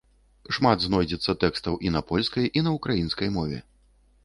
Шмат знойдзецца тэкстаў і на польскай, і на ўкраінскай мове.